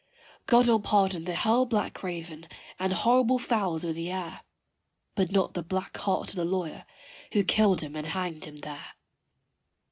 God 'ill pardon the hell black raven and horrible fowls of the air, But not the black heart of the lawyer who killed him and hanged him there.